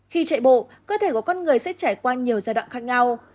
khi chạy bộ cơ thể của con người sẽ trải qua nhiều giai đoạn khác nhau